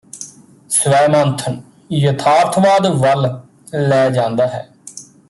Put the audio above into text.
ਸਵੈ ਮੰਥਨ ਯਥਾਰਥਵਾਦ ਵੱਲ ਲੈ ਜਾਂਦਾ ਹੈ